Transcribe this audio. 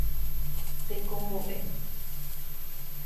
Tekombo'e.